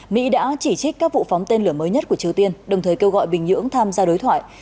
mỹ đã chỉ trích các vụ phóng tên lửa mới nhất của triều tiên đồng thời kêu gọi bình nhưỡng tham gia đối thoại